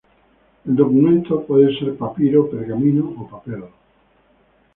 El documento puede ser papiro, pergamino o papel.